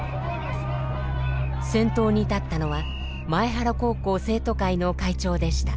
先頭に立ったのは前原高校生徒会の会長でした。